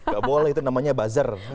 gak boleh itu namanya buzzer